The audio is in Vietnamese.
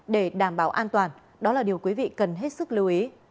để đảm bảo an toàn đó là điều quý vị cần hết sức lưu ý